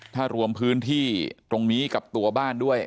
ถ้ารวมพื้นที่ตรงนี้กับตัวบ้านด้วย